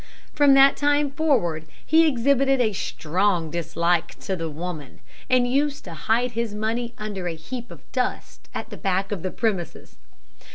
From that time forward he exhibited a strong dislike to the woman, and used to hide his money under a heap of dust at the back of the premises.